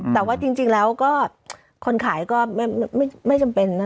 แต่ว่าจริงแล้วก็คนขายก็ไม่จำเป็นนะ